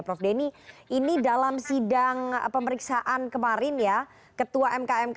prof denny ini dalam sidang pemeriksaan kemarin ya ketua mkmk pak jemila asyidiki